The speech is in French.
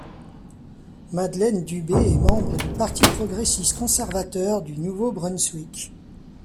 Madeleine Dubé est membre du Parti progressiste-conservateur du Nouveau-Brunswick.